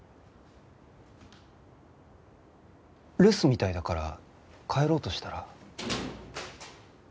留守みたいだから帰ろうとしたら。